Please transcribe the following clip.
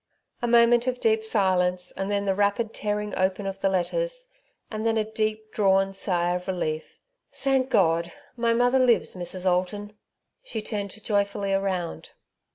A moment of deep silence, and then the rapid tearing open of the letters; and then a deep drawn sigh of relief, —" Thank God ! my mother lives, Mrs. Alton !" She turned joyfully round.